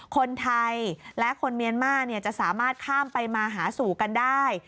คนไทยและคนเมียนมาร์จะสามารถข้ามไปมาหาสู่กันได้